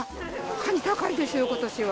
カニ高いですよ、ことしは。